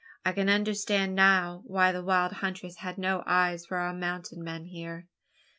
I can understand now why the wild huntress had no eyes for our mountain men here.